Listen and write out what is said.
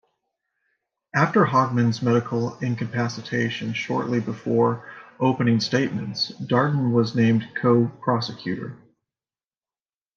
After Hodgman's medical incapacitation shortly before opening statements, Darden was named co-prosecutor.